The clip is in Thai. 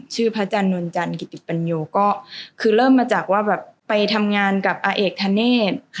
พระอาจารย์นวลจันทร์กิติปัญโยก็คือเริ่มมาจากว่าแบบไปทำงานกับอาเอกธเนธ